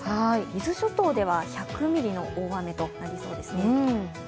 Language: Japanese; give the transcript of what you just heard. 伊豆諸島では１００ミリの大雨となりそうですね。